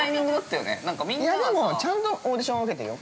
◆いやでも、ちゃんとオーディションは受けてるよ。